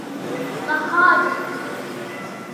کہاں جانا ہے؟